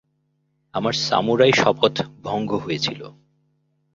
আমার সামুরাই শপথ ভঙ্গ হয়েছিল।